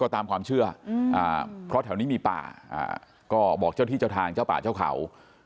ตามความเชื่อเพราะแถวนี้มีป่าก็บอกเจ้าที่เจ้าทางเจ้าป่าเจ้าเขา